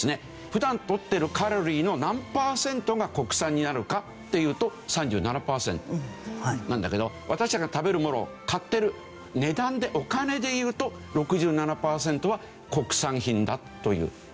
普段取ってるカロリーの何パーセントが国産になるかっていうと３７パーセントなんだけど私たちが食べるものを買ってる値段でお金でいうと６７パーセントは国産品だというこういう事なんですね。